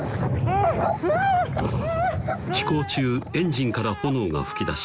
あぁ飛行中エンジンから炎が噴き出し